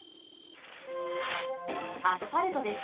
アスファルトです。